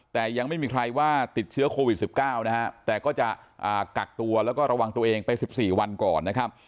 แต่ยังไม่มีใครว่าติดเชื้อโควิด๑๙นะฮะแต่ก็จะกักตัวแล้วก็ระวังตัวเองไป๑๔วันก่อนนะครับ